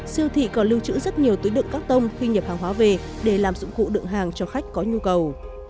siêu thị còn lưu trữ rất nhiều túi đựng các tông khi nhập hàng hóa về để làm dụng cụ đựng hàng cho khách có nhu cầu